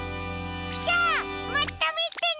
じゃあまたみてね！